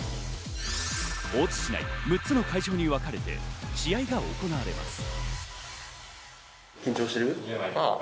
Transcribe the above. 大津市内６つの会場にわかれて試合が行われます。